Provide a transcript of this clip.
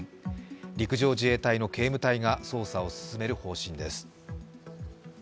陸上自衛隊の警務隊が捜査を進める方針です。